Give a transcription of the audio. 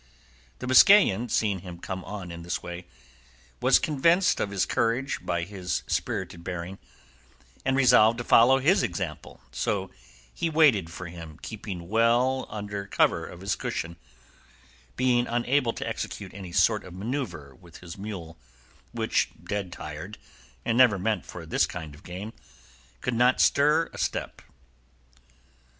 The Biscayan, seeing him come on in this way, was convinced of his courage by his spirited bearing, and resolved to follow his example, so he waited for him keeping well under cover of his cushion, being unable to execute any sort of manoeuvre with his mule, which, dead tired and never meant for this kind of game, could not stir a step.